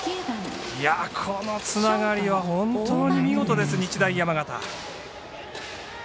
このつながりは本当に見事です日大山形。